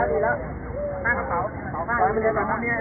วิธีนักศึกษาติธรรมชาติธรรมชาติ